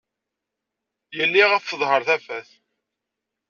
Yelli ɣef-s teḍher tafat.